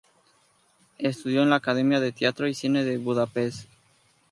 Estudió en la Academia de Teatro y Cine de Budapest.